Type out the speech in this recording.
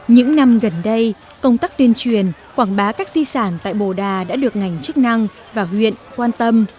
những năm gần đây công tác tuyên truyền quảng bá các di sản tại bồ đà đã được ngành chức năng và huyện quan tâm